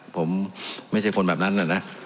ผมไม่ใช่คนแบบนั้นนะ